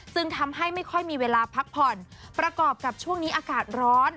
ซึ่งทำให้ไม่ค่อยมีเวลาพักผ่อนประกอบกับช่วงนี้อากาศร้อน